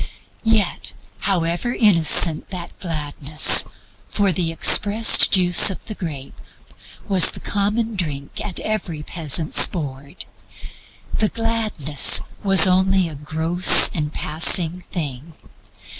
Yet, however innocent that gladness for the expressed juice of the grape was the common drink at every peasant's board the gladness was only a gross and passing thing.